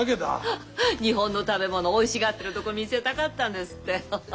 日本の食べ物おいしがってるとこ見せたかったんですって。